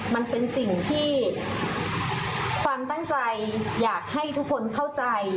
มันเป็นสิ่งที่ความตั้งใจอยากให้ทุกคนเข้าใจ